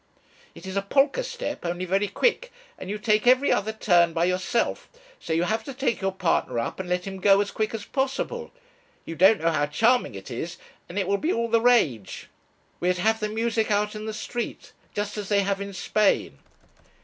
It is a polka step, only very quick, and you take every other turn by yourself; so you have to take your partner up and let him go as quick as possible. You don't know how charming it is, and it will be all the rage. We are to have the music out in the street, just as they have in Spain.'